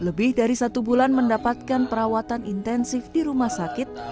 lebih dari satu bulan mendapatkan perawatan intensif di rumah sakit